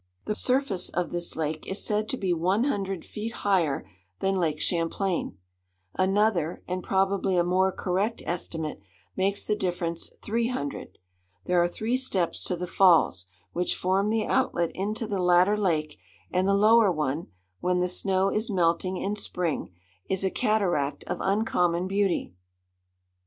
The surface of this lake is said to be one hundred feet higher than Lake Champlain. Another, and probably a more correct estimate, makes the difference three hundred. There are three steps to the falls, which form the outlet into the latter lake; and the lower one, when the snow is melting in spring, is a cataract of uncommon beauty.